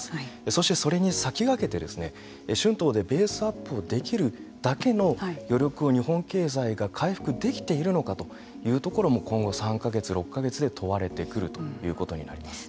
そしてそれに先駆けて春闘でベースアップできるだけの余力を日本経済が回復できているのかというところも今後３か月、６か月で問われてくるということになります。